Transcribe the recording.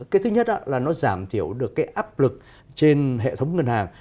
cái thứ nhất là nó giảm thiểu được cái áp lực trên hệ thống ngân hàng